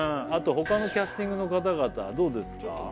あと他のキャスティングの方々どうですか？